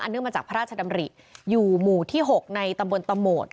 เนื่องมาจากพระราชดำริอยู่หมู่ที่๖ในตำบลตะโหมด